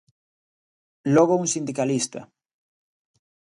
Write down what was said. Logo un sindicalista.